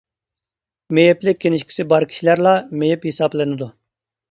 مېيىپلىك كىنىشكىسى بار كىشىلەرلا مېيىپ ھېسابلىنىدۇ.